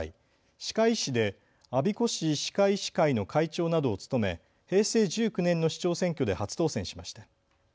歯科医師で我孫子市歯科医師会の会長などを務め、平成１９年の市長選挙で初当選しました。